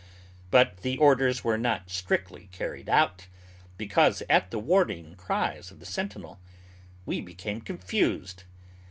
But the orders were not strictly carried out, because, at the warning cries of the sentinel, we became confused.